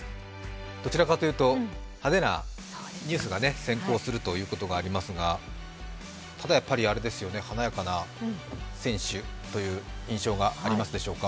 どちらかというと、派手なニュースが先行することがありますが、ただ、華やかな選手という印象がありますでしょうか。